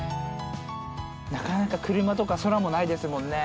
なかなか車とか空もないですもんね？